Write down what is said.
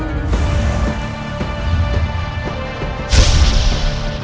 aku mau ke kanjeng itu